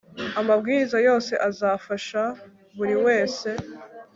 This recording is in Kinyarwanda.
amabwiriza yose azafasha buri wese